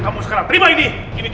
bandungan kelima seringan dapat berhenti